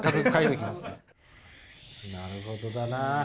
なるほどだな。